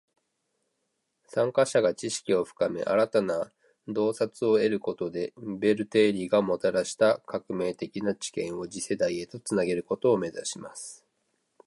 参加者が知識を深め，新たな洞察を得ることで，ベル定理がもたらした革命的な知見を次世代へと繋げることを目指します．